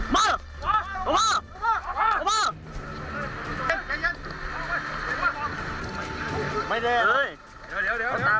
ไม่ได้นะครับเดี๋ยวพอลงกั้น